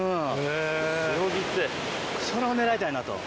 それを狙いたいなと。